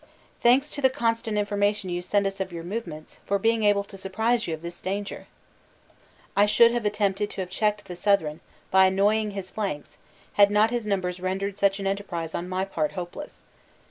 "Thanks to the constant information you send us of your movements, for being able to surprise you of this danger! I should have attempted to have checked the Southron, by annoying his flanks, had not his numbers rendered such an enterprise on my part hopeless.